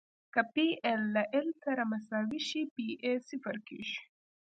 که پی ایل له ایل ایل سره مساوي شي پی ای صفر کیږي